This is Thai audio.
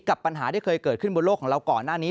ปัญหาที่เคยเกิดขึ้นบนโลกของเราก่อนหน้านี้